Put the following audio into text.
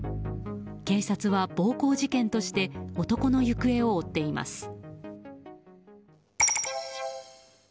警察は暴行事件として男の行方を追っています。